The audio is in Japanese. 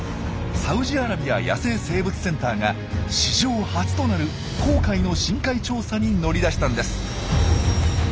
サウジアラビア野生生物センターが史上初となる紅海の深海調査に乗り出したんです。